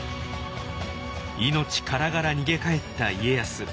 命からがら逃げ帰った家康。